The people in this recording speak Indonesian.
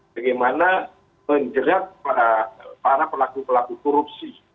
bagaimana menjerat para pelaku pelaku korupsi